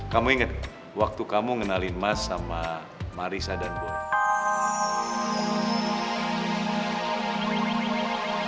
kamu ingat waktu kamu kenalin mas sama marissa dan bone